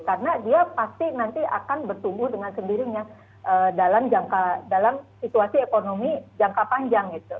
karena dia pasti nanti akan bertumbuh dengan sendirinya dalam situasi ekonomi jangka panjang